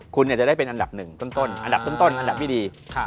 คุณจะได้เป็นอันดับหนึ่งต้นอันดับต้นอันดับที่ดี